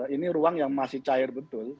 ini ruang yang masih cair betul